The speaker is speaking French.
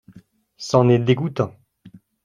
C’en est dégoûtant.